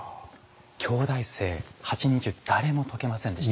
京大生８人中誰も解けませんでした。